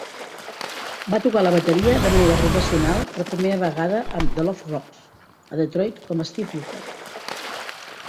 Va tocar la bateria de manera professional per primera vegada amb "The Low Rocks" a Detroit com Steve Booker.